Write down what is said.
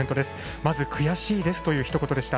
まず、悔しいですというひと言でした。